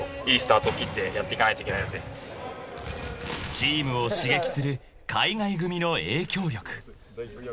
［チームを刺激する海外組の影響力］